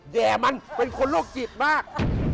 แย่มันเป็นคนโรคจิตมาก